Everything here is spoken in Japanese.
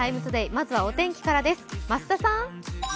まずはお天気からです。